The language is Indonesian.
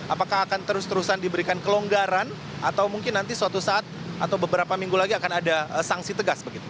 apakah akan terus terusan diberikan kelonggaran atau mungkin nanti suatu saat atau beberapa minggu lagi akan ada sanksi tegas begitu